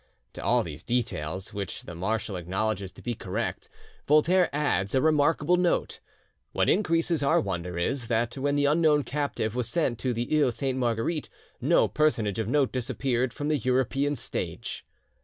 To all these details, which the marshal acknowledges to be correct, Voltaire adds a remarkable note: "What increases our wonder is, that when the unknown captive was sent to the Iles Sainte Marguerite no personage of note disappeared from the European stage."